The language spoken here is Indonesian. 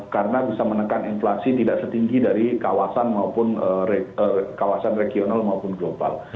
karena bisa menekan inflasi tidak setinggi dari kawasan regional maupun global